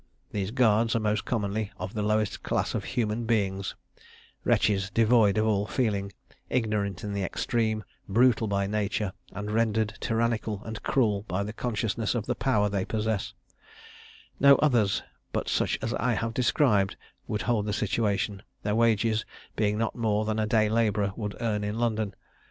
These guards are most commonly of the lowest class of human beings; wretches devoid of all feeling; ignorant in the extreme; brutal by nature, and rendered tyrannical and cruel by the consciousness of the power they possess: no others, but such as I have described, would hold the situation, their wages being not more than a day labourer would earn in London.